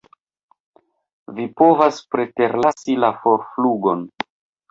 Vi povas preterlasi la forflugon.